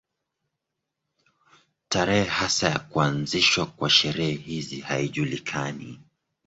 Tarehe hasa ya kuanzishwa kwa sherehe hizi haijulikani.